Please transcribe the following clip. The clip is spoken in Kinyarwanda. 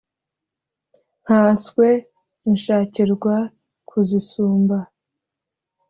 nkanswe inshakirwa kuzisumba